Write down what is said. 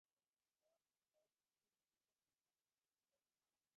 আমার বাবাকেও কবর দিতে সাহায্য করেছিল।